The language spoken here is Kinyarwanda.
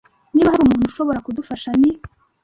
Niba hari umuntu ushobora kudufasha, ni .